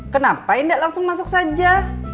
kenapa indah langsung masuk saja